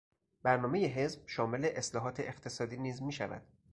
برنامهی حزب شامل اصلاحات اقتصادی نیز میشود.